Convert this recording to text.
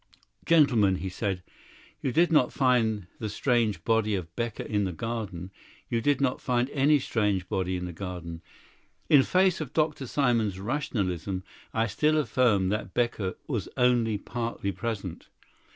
"Gentlemen," he said, "you did not find the strange body of Becker in the garden. You did not find any strange body in the garden. In face of Dr. Simon's rationalism, I still affirm that Becker was only partly present.